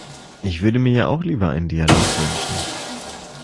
Ich würde mir ja auch lieber einen Dialog wünschen.